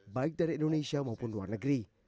baik dari indonesia maupun luar negeri